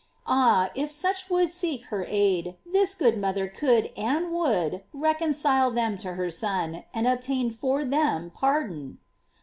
Ah, if such would seek her aid, this good moth er could and wouM reconcile them to her Son, and obtain for tuem pardon.